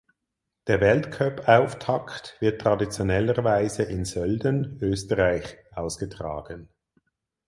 Der Weltcupauftakt wird traditionellerweise in Sölden (Österreich) ausgetragen.